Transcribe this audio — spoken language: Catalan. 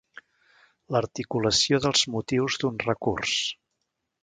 L'articulació dels motius d'un recurs.